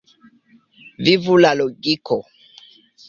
Vivu la logiko!